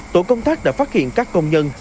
tổ công tác đã phát hiện các công nhân